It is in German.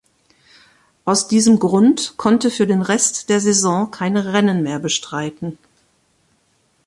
Aus diesem Grund konnte für den Rest der Saison keine Rennen mehr bestreiten.